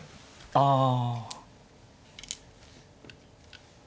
ああ。